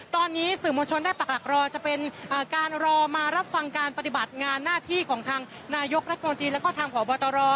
ตอนนี้สื่อมวลชนได้ปักหลักรอจะเป็นการรอมารับฟังการปฏิบัติงานหน้าที่ของทางนายกรัฐมนตรีแล้วก็ทางผอบตร